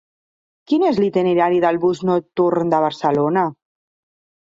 Quin és l'itinerari del bus nocturn de Barcelona?